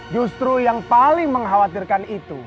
justru yang paling mengkhawatirkan itu